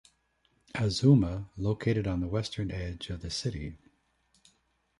Azuma, located on the western edge of the city.